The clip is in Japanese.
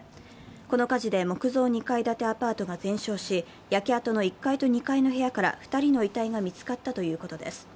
この火事で木造２階建てアパートが全焼し、焼け跡の１階と２階の部屋から２人の遺体が見つかったということです。